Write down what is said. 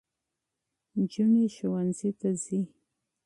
نجونې ښوونځي ته ځي.